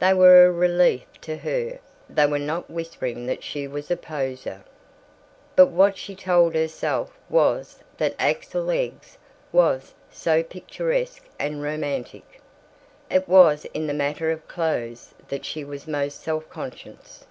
They were a relief to her they were not whispering that she was a poseur. But what she told herself was that Axel Egge's was "so picturesque and romantic." It was in the matter of clothes that she was most self conscious.